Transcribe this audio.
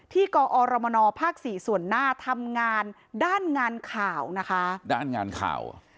กอรมนภสี่ส่วนหน้าทำงานด้านงานข่าวนะคะด้านงานข่าว